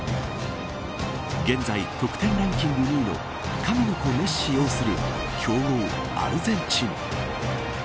現在得点ランキング２位の神の子メッシを擁する強豪アルゼンチン。